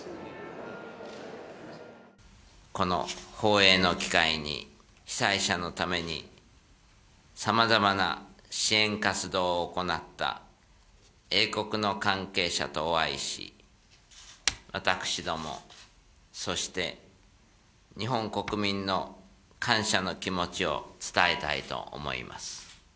この訪英の機会に、被災者のためにさまざまな支援活動を行った英国の関係者とお会いし、私ども、そして日本国民の感謝の気持ちを伝えたいと思います。